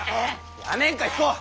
やめんか彦。